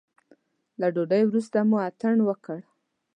له ډوډۍ وروسته مو اتڼ وکړ.